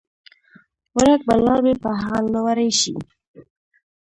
ورک به لاروی په هغه لوري شو